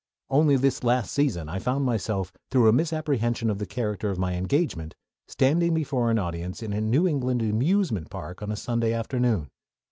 Only this last season I found myself, through a misapprehension of the character of my engagement, standing before an audience in a New England amusement park on a Sunday afternoon.